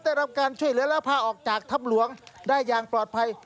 ได้รับการช่วยเหลือแล้วพาออกจากถ้ำหลวงได้อย่างปลอดภัย